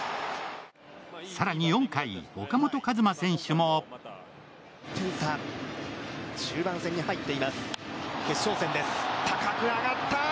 さらに４回岡本和真選手も中盤戦に入っています決勝戦です高く上がったー！